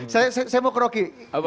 saya mau keroki